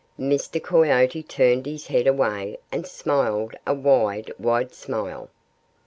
Mr. Coyote turned his head away and smiled a wide, wide smile.